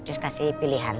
nanti jus kasih pilihan